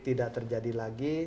tidak terjadi lagi